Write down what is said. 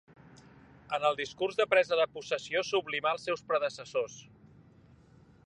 En el discurs de presa de possessió sublimà els seus predecessors.